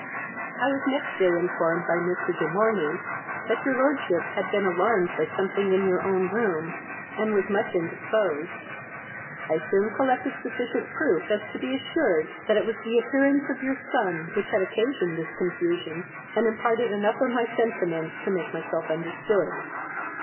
I was next day informed by Mr. De Morney that your lordship had been alarmed by something in your own room, and was much indisposed. I soon collected sufficient proof to be assured that it was the appearance of your son which had occasioned this confusion, and imparted enough of my sentiments to make myself understood.